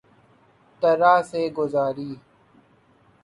طرح سے گزاری